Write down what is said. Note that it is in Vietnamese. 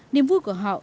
niềm vui của họ